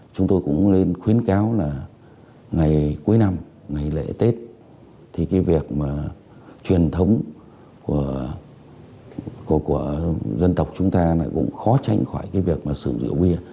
cuối năm ngày lễ tết thì cái việc mà truyền thống của dân tộc chúng ta là cũng khó tránh khỏi cái việc mà sử dụng rượu bia